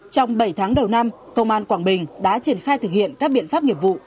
trong bảy tháng đầu năm công an quảng bình đã triển khai thực hiện các biện pháp nghiệp vụ